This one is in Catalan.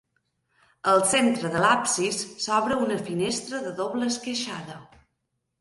Al centre de l'absis s'obre una finestra de doble esqueixada.